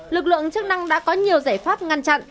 lực lượng chức năng đã có nhiều giải pháp ngăn chặn